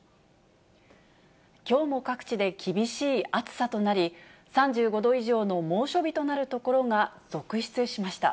きょうも各地で厳しい暑さとなり、３５度以上の猛暑日となる所が続出しました。